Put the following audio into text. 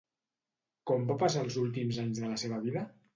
Com va passar els últims anys de la seva vida?